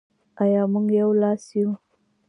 آیا موږ یو لاس یو؟